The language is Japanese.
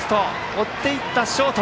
追っていったショート。